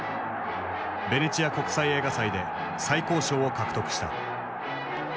ベネチア国際映画祭で最高賞を獲得した。